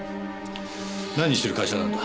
何してる会社なんだ？